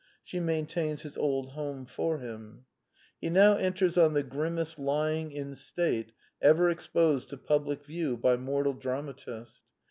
She maintains his old home for him. The Four Last Plays 163 He now enters on the grimmest lying in state ever exposed to public view by mortal dramatist.